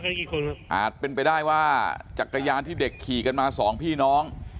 ไปกี่คนอาจเป็นไปใดว่าจักรยานที่เด็กขี่มา๒พี่น้อง